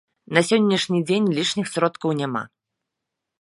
На сённяшні дзень лішніх сродкаў няма.